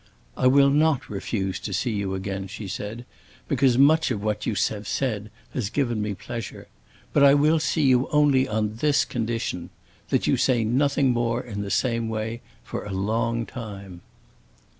"I will not refuse to see you again," she said, "because much of what you have said has given me pleasure. But I will see you only on this condition: that you say nothing more in the same way for a long time."